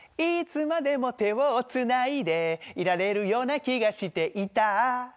「いつまでも手をつないでいられるような気がして」